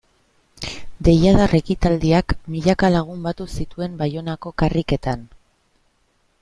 Deiadar ekitaldiak milaka lagun batu zituen Baionako karriketan.